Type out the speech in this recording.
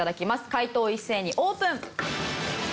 解答一斉にオープン！